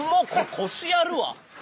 腰やるわ！